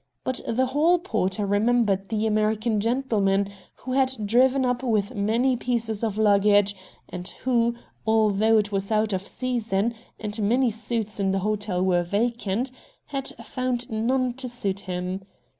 But the hall porter remembered the American gentleman who had driven up with many pieces of luggage, and who, although it was out of season, and many suites in the hotel were vacant, had found none to suit him.